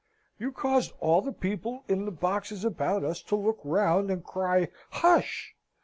"You caused all the people in the boxes about us to look round and cry 'Hush!'